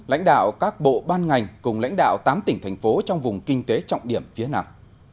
lãnh đạo các bộ ban ngành cùng lãnh đạo tám tỉnh thành phố trong vùng kinh tế trọng điểm phía nam